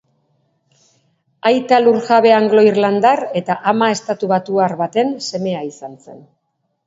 Aita lurjabe anglo-irlandar eta ama estatubatuar baten semea izan zen.